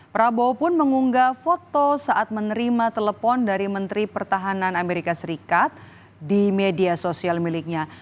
prabowo pun mengunggah foto saat menerima telepon dari menteri pertahanan amerika serikat di media sosial miliknya